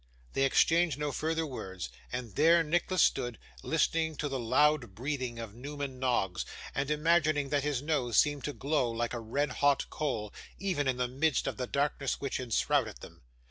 They exchanged no further words, and there Nicholas stood, listening to the loud breathing of Newman Noggs, and imagining that his nose seemed to glow like a red hot coal, even in the midst of the darkness which enshrouded them.